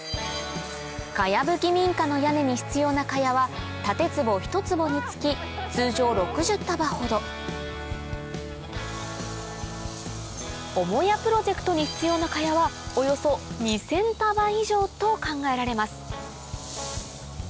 茅ぶき民家の屋根に必要な茅は建坪１坪につき通常６０束ほど母屋プロジェクトに必要な茅はおよそ２０００束以上と考えられます